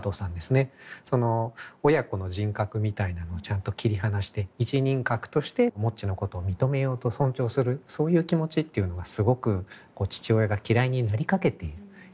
その親子の人格みたいなのをちゃんと切り離して一人格としてもっちのことを認めようと尊重するそういう気持ちっていうのはすごく父親が嫌いになりかけている人とかにも響くんじゃないかと思うし。